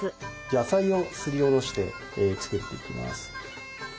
野菜をすりおろして作っていきます。